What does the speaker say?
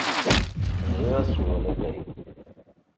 Bɣiɣ ad sweɣ latay.